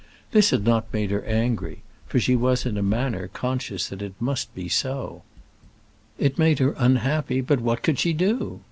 This had not made her angry, for she was in a manner conscious that it must be so. It made her unhappy, but what could she do?